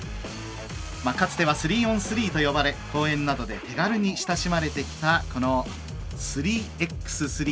かつては３ｏｎ３と呼ばれ公園などで手軽に楽しまれてきたこの３ｘ３。